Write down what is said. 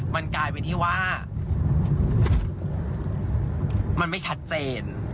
มันกลายเป็นที่ว่ามันไม่ชัดเจน